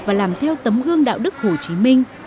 và làm theo tấm gương đạo đức hồ chí minh